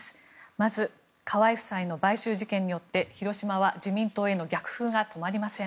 まず、河井夫妻の買収事件によって広島は自民党への逆風が止まりません。